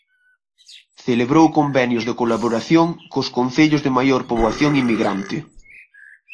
Celebrou convenios de colaboración cos concellos de maior poboación inmigrante.